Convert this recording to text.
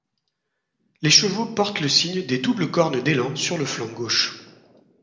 Les chevaux portent le signe des doubles cornes d’élan sur le flanc gauche.